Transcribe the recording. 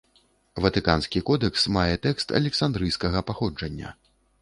Ватыканскі кодэкс мае тэкст александрыйскага паходжання.